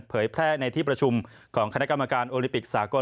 เผยแพร่ในที่ประชุมของคณะกรรมการโอลิปิกสากล